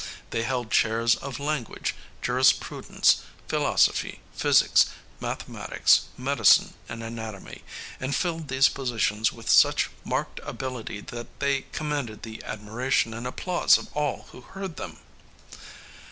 They held chairs of language, jurisprudence, philosophy, physics, mathematics, medicine and anatomy, and filled these positions with such marked ability that they commanded the admiration and applause of all who heard them.